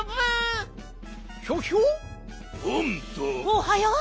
おはよう！